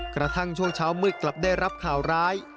กระทั่งช่วงเช้ามืดกลับได้รับข่าวร้าย